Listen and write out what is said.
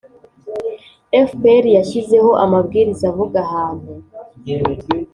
fpr yashyizeho amabwiriza avuga ahantu